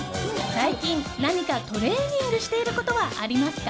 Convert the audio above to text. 最近何かトレーニングしていることはありますか？